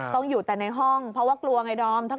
อยู่แต่ในห้องเพราะว่ากลัวไงดอม